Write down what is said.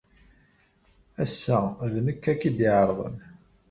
Ass-a, d nekk ara ken-id-iɛerḍen.